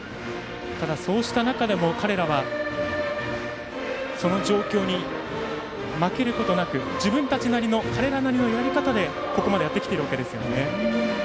ただ、そうした中でも彼らはその状況に負けることなく自分たちなりの彼らなりのやり方でここまでやってきているわけです。